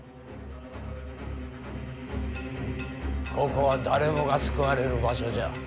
ここは誰もが救われる場所じゃ。